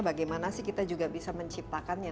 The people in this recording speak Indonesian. bagaimana sih kita juga bisa menciptakannya